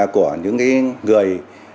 của những cái người